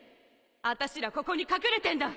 あたしらここに隠れてんだ。